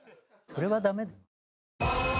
「それはダメ」？